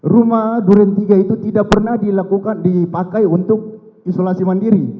rumah duren tiga itu tidak pernah dilakukan dipakai untuk isolasi mandiri